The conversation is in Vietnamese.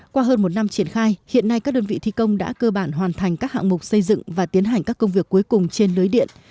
qua hơn một năm triển khai hiện nay các đơn vị thi công đã cơ bản hoàn thành các hạng mục xây dựng và tiến hành các công việc cuối cùng trên lưới điện